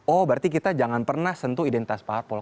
oh berarti kita jangan pernah sentuh identitas parpol